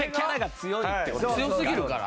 強すぎるから？